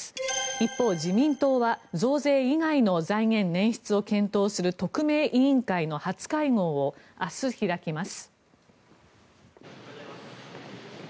一方、自民党は増税以外の財源捻出を検討する特命委員会の初会合を明日、開きます。